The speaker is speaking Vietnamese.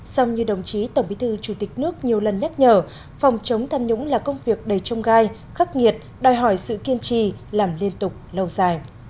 xong như đồng chí tổng bí thư chủ tịch nước nhiều lần nhắc nhở phòng chống tham nhũng là công việc đầy trông gai khắc nghiệt đòi hỏi sự kiên trì làm liên tục lâu dài